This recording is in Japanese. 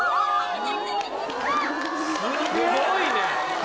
すごいね。